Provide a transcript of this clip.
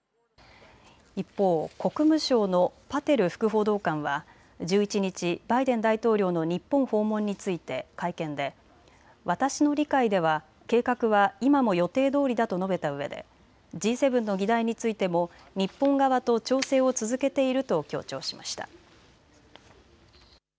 一方、国務省のパテル副報道官は１１日、バイデン大統領の日本訪問について会見で私の理解では計画は今も予定どおりだと述べたうえでＧ７の議題についても日本側と調整を続けていると強調しました。